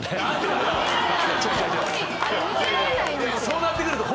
そうなってくると。